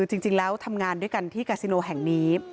จริงแล้วทำงานด้วยกันที่กาซิโนแห่งนี้